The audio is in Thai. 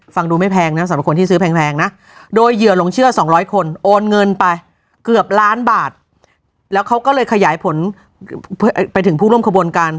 ฟังดูไม่แพงนะสำหรับคนที่ซื้อแพงนะโดยเหยื่อหลงเชื่อ๒๐๐คนโอนเงินไปเกือบล้านบาทแล้วเขาก็เลยขยายผลไปถึงผู้ร่วมขบวนการ